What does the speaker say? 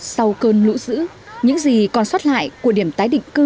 sau cơn lũ dữ những gì còn xót lại của điểm tái định cơ